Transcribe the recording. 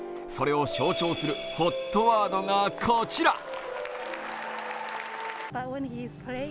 それを象徴するＨＯＴワードがこちら。